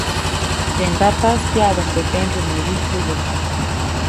Teʼ ndataʼis pyaʼduʼuŋ teʼ tendsuŋ nä wyijtubä.